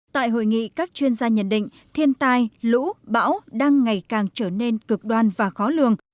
tại hội nghị các chuyên gia nhận định thiên tai lũ bão đang ngày càng trở nên cực đoan và khó lường